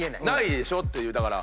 ないでしょっていう。